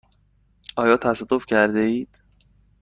آیا تصادف کرده اید؟